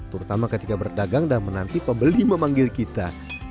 terutama ketika berdagang dan menanti pembeli memanggil kita